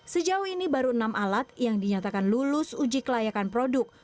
sejauh ini baru enam alat yang dinyatakan lulus uji kelayakan produk